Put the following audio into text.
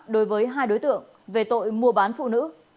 đối với hai đối tượng về tội mua bán phụ nữ